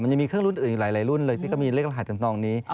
ยังมีเครื่องรุ่นอื่นอีกหลายรุ่นเลยที่ก็มีเลขรหัสจำนองนี้